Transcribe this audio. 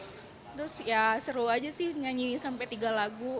terus ya seru aja sih nyanyi sampai tiga lagu